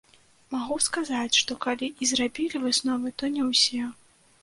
Магу сказаць, што калі і зрабілі высновы, то не ўсе.